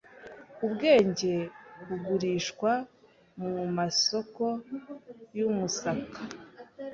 Ubwenge bugurishwa mumasoko yumusaka